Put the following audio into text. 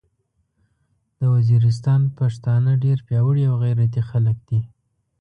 د ویزیریستان پختانه ډیر پیاوړي او غیرتي خلک دې